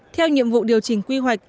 theo nhiệm vụ điều chỉnh quy hoạch